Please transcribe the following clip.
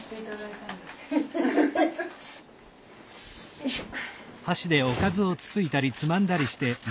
よいしょ。